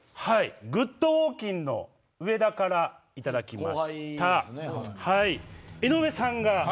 グッドウォーキンの上田から頂きました。